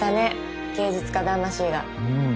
うん。